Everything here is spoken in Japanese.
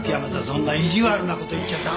そんな意地悪なこと言っちゃ駄目。